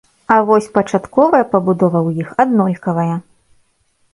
А вось пачатковая пабудова ў іх аднолькавая.